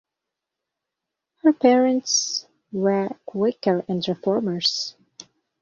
Her parents were Quaker and reformers.